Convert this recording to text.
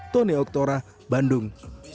tony oktora bandung